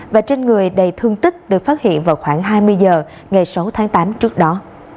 và trên người đầy thương tích được phát hiện vào khoảng hai mươi h ngày sáu tháng tám trước đó